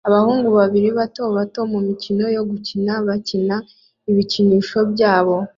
Abahungu babiri bato bato mumikino yo gukina bakina ibikinisho byabo